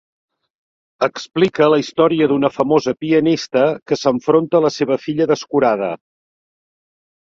Explica la història d'una famosa pianista que s'enfronta a la seva filla descurada.